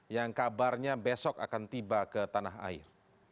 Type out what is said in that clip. yang kabarnya besok akan tiba ke tanah air